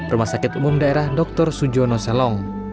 rumah sakit umum daerah dr sujono selong